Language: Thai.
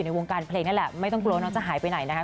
วงการเพลงนั่นแหละไม่ต้องกลัวว่าน้องจะหายไปไหนนะคะ